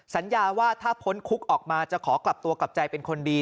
สัญญาว่าถ้าพ้นคุกออกมาจะขอกลับตัวกลับใจเป็นคนดี